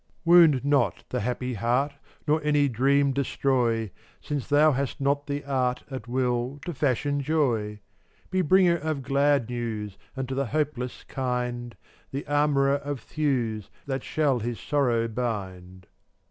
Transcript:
433 Wound not the happy heart AtttAf Nor any dream destroy, fV% Since thou hast not the art, \Jv£' At will, to fashion joy. ffUtt<t Be bringer of glad news, 25 And to the hopeless kind — The armorer of thews That shall his sorrow bind.